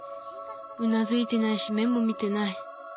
うなずいてないし目も見てない。